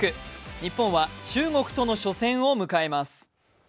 日本は中国との初戦を迎えます。